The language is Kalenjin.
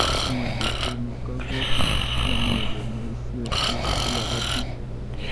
imuchi komo kabwotut nemie keomisio yan iloboti